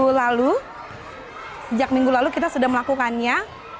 lalu sejak minggu lalu kita sudah melakukannya